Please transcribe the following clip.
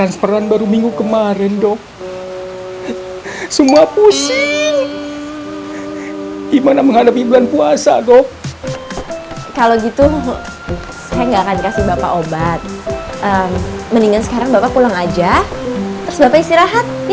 sekarang bapak pulang aja terus bapak istirahat ya